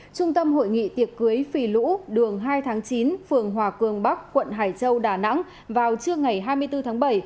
trung tâm hội nghị tiệc cưới phì lũ đường hai tháng chín phường hòa cường bắc quận hải châu đà nẵng vào trưa ngày hai mươi bốn tháng bảy